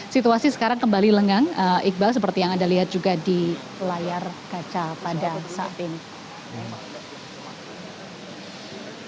situasi sekarang kembali lengang iqbal seperti yang anda lihat juga di layar kaca pada saat ini